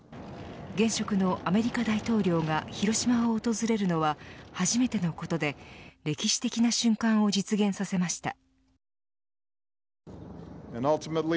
現職のアメリカ大統領が広島を訪れるのは初めてのことで歴史的な瞬間を実現させました。